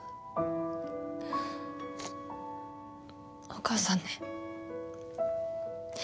お母さんね